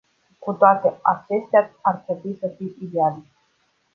Cu toate acestea, ar trebui să fim idealiști.